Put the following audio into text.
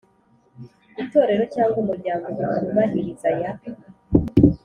Itorero cyangwa umuryango bitubahiriza aya